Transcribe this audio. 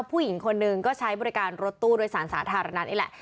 ผู้หญิงคนหนึ่งก็ใช้บริการรถตู้โดยสารสาธารณะนี่แหละ